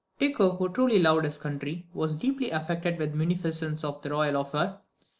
Tycho, who truly loved his country, was deeply affected with the munificence of the royal offer.